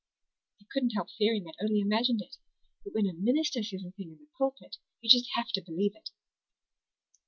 I couldn't help fearing I'd only imagined it. But when a minister says a thing in the pulpit you just have to believe it."